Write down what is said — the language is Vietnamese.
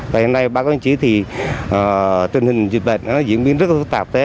tại hôm nay bác công chí thì trình hình dịch bệnh diễn biến rất là phức tạp